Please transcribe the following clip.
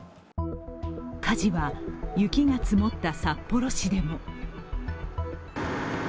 火事は雪が積もった札幌市でも。